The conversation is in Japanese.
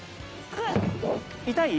痛い？